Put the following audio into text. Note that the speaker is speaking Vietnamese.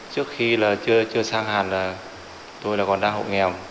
trước khi chưa sang hàn tôi còn đang hộ nghèo